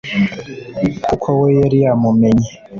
kuko we yari yamumenye